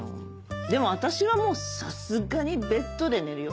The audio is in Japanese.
でも私はもうさすがにベッドで寝るよ。